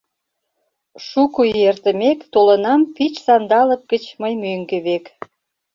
Шуко ий эртымек, Толынам пич сандалык гыч мый мӧҥгӧ век.